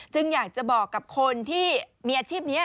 อยากจะบอกกับคนที่มีอาชีพนี้